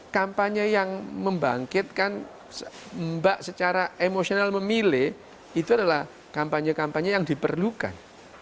kampanye yang membangkitkan mbak secara emosional memilih itu adalah kampanye kampanye yang diperlukan